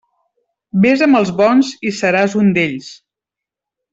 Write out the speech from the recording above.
Vés amb els bons i seràs un d'ells.